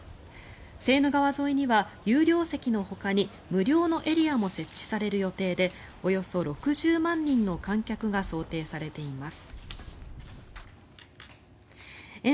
セーヌ川沿いには有料席のほかに無料のエリアも設置される予定でおよそ６０万人の観客が想定されています。